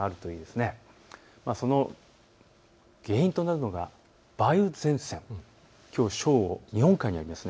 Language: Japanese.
ではその原因となるのが梅雨前線、きょう正午、日本海にあります。